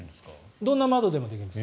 どんな窓でもできます。